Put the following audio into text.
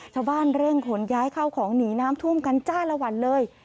ชาวบ้านเร่งขนย้ายเข้าของหนีน้ำท่วมกันจ้าละวันเลย